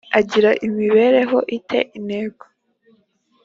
agira imibereho i te intego